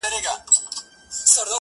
عاشق معسوق ډېوه لمبه زاهد ايمان ساتي,